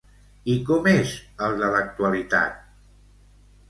I com és el de l'actualitat?